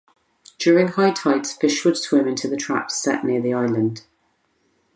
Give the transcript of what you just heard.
During high tides fish would swim into the traps set near the island.